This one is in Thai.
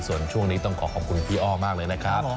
ส่วนช่วงนี้ต้องขอขอบคุณพี่อ้อมากเลยนะครับ